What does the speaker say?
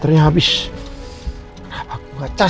something kita bahas waktu kasar cukup